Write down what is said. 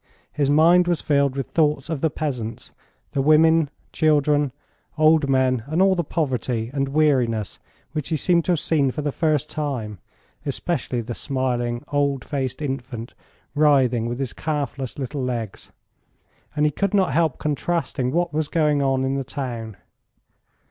His mind was filled with thoughts of the peasants, the women, children, old men, and all the poverty and weariness which he seemed to have seen for the first time, especially the smiling, old faced infant writhing with his calfless little legs, and he could not help contrasting what was going on in the town.